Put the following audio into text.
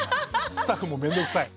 スタッフも面倒くさい。